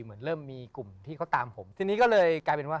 เหมือนเริ่มมีกลุ่มที่เขาตามผมทีนี้ก็เลยกลายเป็นว่า